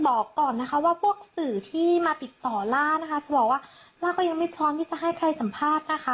บอกก่อนนะคะว่าพวกสื่อที่มาติดต่อล่านะคะจะบอกว่าล่าก็ยังไม่พร้อมที่จะให้ใครสัมภาษณ์นะคะ